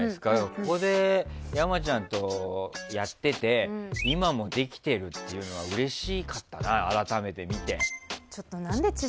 ここで山ちゃんとやってて今もできてるっていうのはうれしかったな、改めて見て。